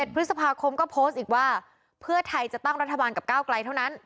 ๑พฤษภาคมก็โพสต์อีกว่าเพื่อไทยจะตั้งรัฐบาลกับก้าวไกลเท่านั้น